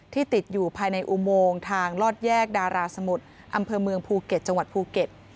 ติดอยู่ภายในอุโมงทางลอดแยกดาราสมุทรอำเภอเมืองภูเก็ตจังหวัดภูเก็ต